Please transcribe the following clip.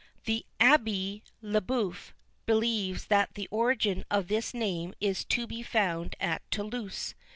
The Abbé Lebœuf believes that the origin of this name is to be found at Toulouse.